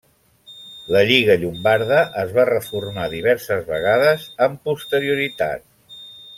La Lliga Llombarda es va reformar diverses vegades amb posterioritat.